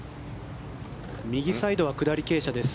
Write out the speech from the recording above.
右サイドは下り傾斜です。